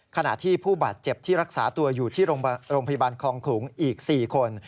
ขณะที่ผู้บาดเจ็บที่รักษาตัวอยู่ที่โรงพยาบาลคลองขลุงอีก๔คน